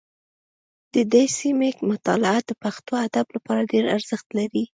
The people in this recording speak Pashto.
د دې سیمې مطالعه د پښتو ادب لپاره ډېر ارزښت لري